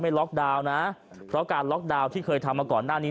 ล็อกดาวน์นะเพราะการล็อกดาวน์ที่เคยทำมาก่อนหน้านี้